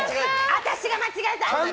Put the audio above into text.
私が間違えた！